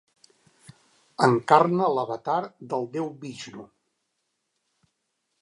Encarna l'avatar del déu Vixnu.